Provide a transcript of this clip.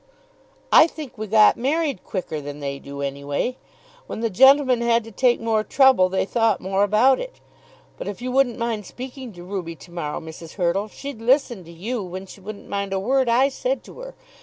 "I think we got married quicker than they do, any way. When the gentlemen had to take more trouble they thought more about it. But if you wouldn't mind speaking to Ruby to morrow, Mrs. Hurtle, she'd listen to you when she wouldn't mind a word I said to her.